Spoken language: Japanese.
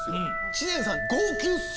知念さん。